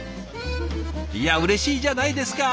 いやうれしいじゃないですか！